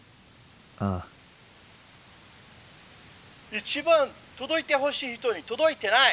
「一番届いてほしい人に届いてない？